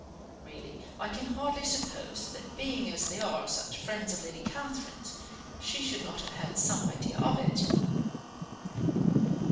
Really, I can hardly suppose that being as they are, such friends of Lady Catherine's, she should not have had some idea of it."